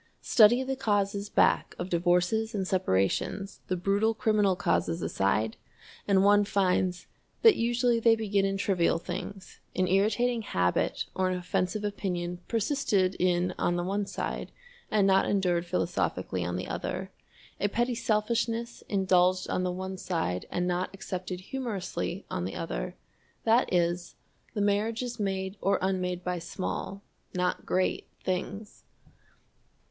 Study the causes back of divorces and separations, the brutal criminal causes aside, and one finds that usually they begin in trivial things, an irritating habit or an offensive opinion persisted in on the one side and not endured philosophically on the other; a petty selfishness indulged on the one side and not accepted humorously on the other, that is, the marriage is made or unmade by small, not great, things.